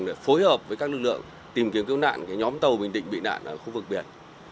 để phối hợp với các lực lượng tìm kiếm cứu nạn nhóm tàu bình định bị nạn ở khu vực biển